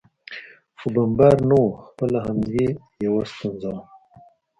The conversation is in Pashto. خو بمبار نه و، خپله همدې یو ستونزه وه.